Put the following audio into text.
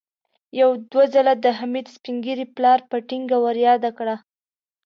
يو دوه ځله د حميد سپين ږيري پلار په ټينګه ور ياده کړه.